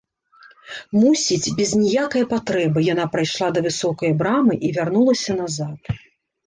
Мусіць, без ніякае патрэбы яна прайшла да высокае брамы і вярнулася назад.